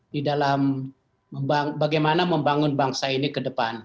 di dalam bagaimana membangun bangsa ini ke depan